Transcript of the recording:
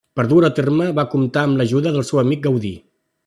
Per dur-ho a terme va comptar amb l'ajuda del seu amic Gaudí.